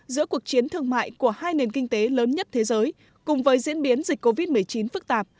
giữa cuộc chiến thương mại của hai nền kinh tế lớn nhất thế giới cùng với diễn biến dịch covid một mươi chín phức tạp